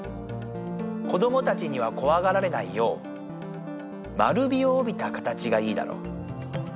子どもたちにはこわがられないよう丸みをおびた形がいいだろう。